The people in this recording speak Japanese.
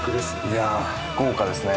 いやあ豪華ですね。